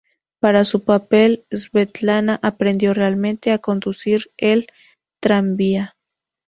Para su papel, Svetlana aprendió realmente a conducir el tranvía.